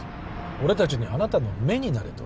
俺達にあなたの目になれと？